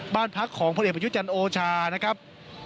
บ้านพักของพระเอกบริยุจรรโอชานะครับ